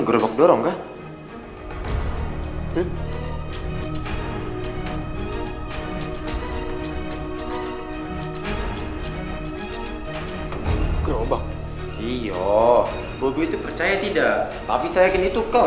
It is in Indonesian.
gerobak iyo bobo itu percaya tidak tapi saya kini tukau